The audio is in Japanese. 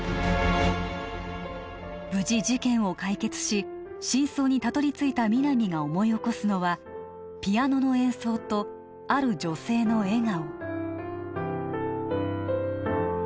無事事件を解決し真相にたどり着いた皆実が思い起こすのはピアノの演奏とある女性の笑顔